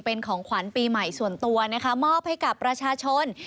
เป็นของขวัญปีใหม่ส่วนตัวนะคะมอบให้กับประชาชน